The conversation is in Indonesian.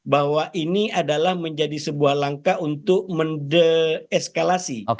bahwa ini adalah menjadi sebuah langkah untuk mendeeskalasi